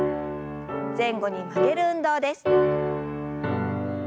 前後に曲げる運動です。